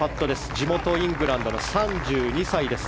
地元イングランドの３２歳です。